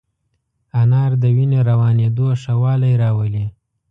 انار د وینې روانېدو ښه والی راولي.